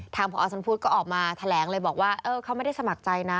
ผอสมพุทธก็ออกมาแถลงเลยบอกว่าเขาไม่ได้สมัครใจนะ